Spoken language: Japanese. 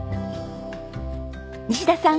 西田さん